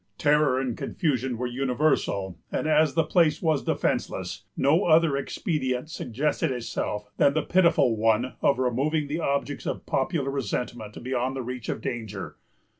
Terror and confusion were universal; and, as the place was defenceless, no other expedient suggested itself than the pitiful one of removing the objects of popular resentment beyond reach of danger.